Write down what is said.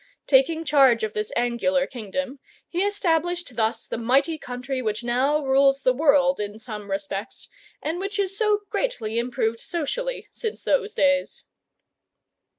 Taking charge of this angular kingdom, he established thus the mighty country which now rules the world in some respects, and which is so greatly improved socially since those days.